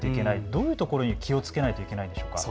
どういうところに気をつけなければいけないんでしょうか。